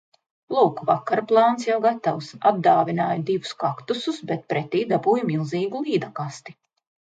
Lūk, vakara plāns jau gatavs. Atdāvināju divus kaktusus, bet pretī dabūju milzīgu līdakasti.